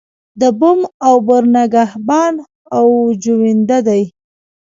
د بوم او بر نگهبان او جوینده دی.